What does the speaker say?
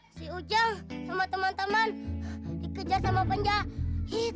si ujang sama teman teman dikejar sama penjahit